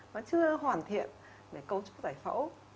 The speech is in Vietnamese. nó chưa hoàn thiện về cấu trúc giải phẫu